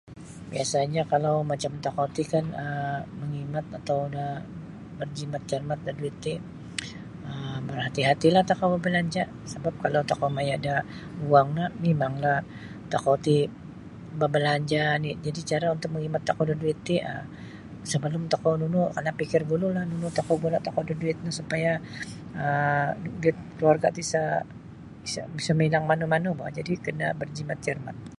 Biasanya kalau macam tokou ti kan um mangimat atau da berjimat cermat da duit ti um berhati-hatilah tokou babalanja sabab kalau tokou maya da guang no mimanglah tokou ti babalanja ni' jadi cara untuk mangimat tokou da duit ti sabalum tokou nunu kana pikir dululah nunu guna tokou da duit ri supaya um duit keluarga ti isa isa mailang manu-manu boh jadi kena berjimat cermat.